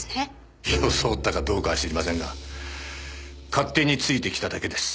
装ったかどうかは知りませんが勝手についてきただけです。